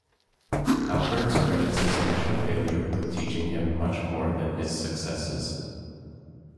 Alberts credits his initial failure with teaching him much more than his successes.